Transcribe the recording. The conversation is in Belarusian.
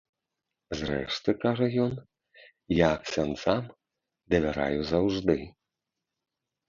Зрэшты, кажа ён, я ксяндзам давяраю заўжды.